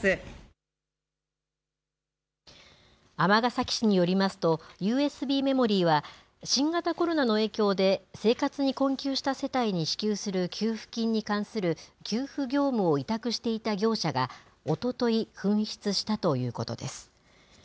尼崎市によりますと、ＵＳＢメモリーは新型コロナの影響で生活に困窮した世帯に支給する給付金に関する給付業務を委託していた業者がおととい、紛失したということです。